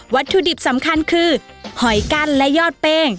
ถุดิบสำคัญคือหอยกั้นและยอดเป้ง